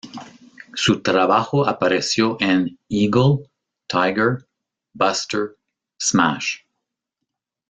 Su trabajo apareció en "Eagle", "Tiger", "Buster", "Smash!